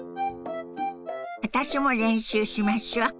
私も練習しましょ。